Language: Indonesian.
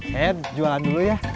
saed jualan dulu ya